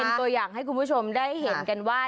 เป็นตัวอย่างให้คุณผู้ชมได้เห็นกันว่า